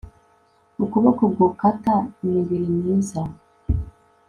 Ukuboko gukata imibiri myiza